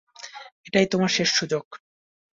এটাই তোমার শেষ সুযোগ!